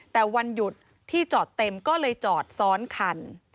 แต่วันหยุดที่จอดเต็มก็เลยจอดซ้อนคัน